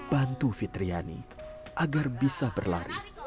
bantu fitriani agar bisa berlari